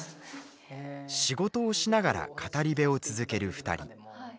仕事をしながら語り部を続ける２人。